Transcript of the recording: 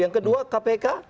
yang kedua kpk